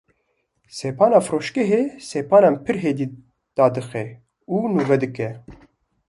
Sepana firoşgehê sepanan pir hêdî dadixe û nûve dike